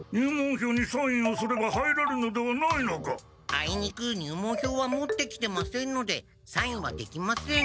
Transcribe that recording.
あいにく入門票は持ってきてませんのでサインはできません。